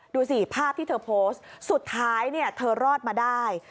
ดูสิภาพที่เธอโพสต์สุดท้ายเนี่ยเธอรอดมาได้